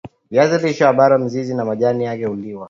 viazi lishe zao ambalo mizizi na majani yake huliwa